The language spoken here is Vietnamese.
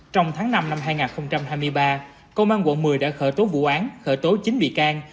trong tháng năm năm hai nghìn hai mươi ba công an quận một mươi đã khởi tố vụ án khởi tố chín bị can